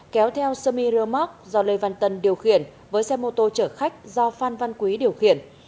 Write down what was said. kéo theo semi rơ móc do lê văn tân điều khiển với xe mô tô chở khách do phan văn quý điều khiển